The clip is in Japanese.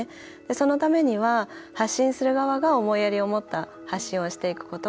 そのためには発信する側が思いやりを持った発信をしていくこと。